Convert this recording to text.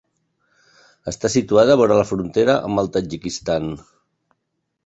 Està situada vora la frontera amb el Tadjikistan.